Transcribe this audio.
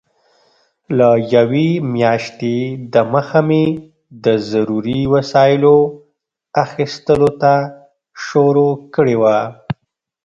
له یوې میاشتې دمخه مې د ضروري وسایلو اخیستلو ته شروع کړې وه.